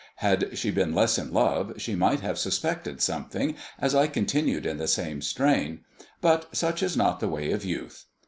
Had she been less in love, she might have suspected something, as I continued in the same strain; but such is not the way of youth.